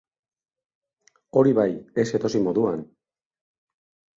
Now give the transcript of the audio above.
Hori bai, ez edozein moduan.